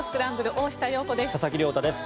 大下容子です。